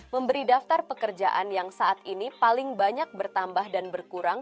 memberi daftar pekerjaan yang saat ini paling banyak bertambah dan berkurang